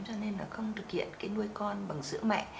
cho nên là không thực hiện cái nuôi con bằng sữa mẹ